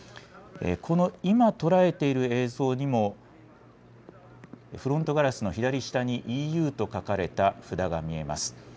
この今捉えている映像にもフロントガラスの左下にＥＵと書かれた札が見えます。